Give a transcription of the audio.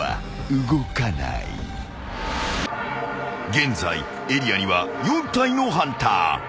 ［現在エリアには４体のハンター］